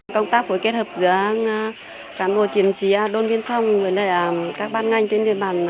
công tác phối kết hợp giữa cán bộ triển trí đồn biên phòng với các ban ngành trên địa bàn